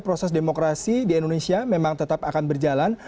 proses demokrasi di indonesia memang tetap akan berjalan